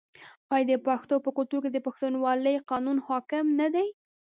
آیا د پښتنو په کلتور کې د پښتونولۍ قانون حاکم نه دی؟